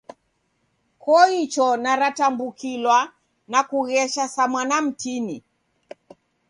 Koicho naratambukilwa na kughesha sa mwana mtini.